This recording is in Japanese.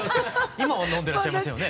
今は飲んでらっしゃいませんよね。